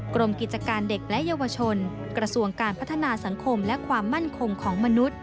กรมกิจการเด็กและเยาวชนกระทรวงการพัฒนาสังคมและความมั่นคงของมนุษย